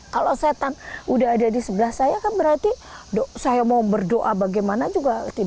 kalau setan udah ada di sebelah saya kan berarti saya mau berdoa bagaimana juga tidak